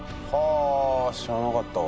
あ知らなかったわ。